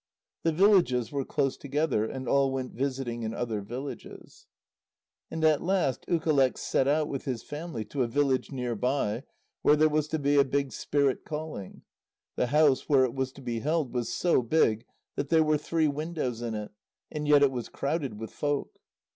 The villages were close together, and all went visiting in other villages. And at last Ukaleq set out with his family to a village near by, where there was to be a big spirit calling. The house where it was to be held was so big that there were three windows in it, and yet it was crowded with folk.